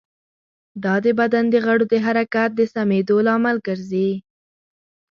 دا د بدن د غړو د حرکت د سمېدو لامل ګرځي.